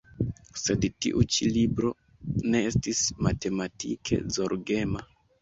Sed tiu ĉi libro ne estis matematike zorgema.